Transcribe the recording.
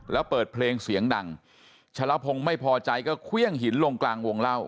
แล้วเปิดเพลงเสียงดังชะละพงศ์ไม่พอใจก็เครื่องหินลงกลางวงเล่า